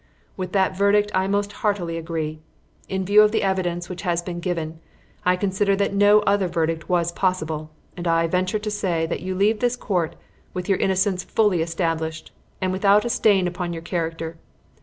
With that verdict I most heartily agree. In view of the evidence which has been given, I consider that no other verdict was possible, and I venture to say that you leave this court with your innocence fully established, and without a stain upon your character.